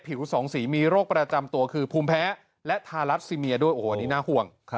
สองสีมีโรคประจำตัวคือภูมิแพ้และทารัสซีเมียด้วยโอ้โหอันนี้น่าห่วง